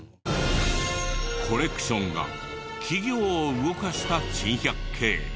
コレクションが企業を動かした珍百景。